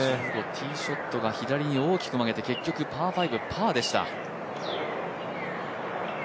１５、ティーショットを左に大きく曲げて、結局パー５、パーでした。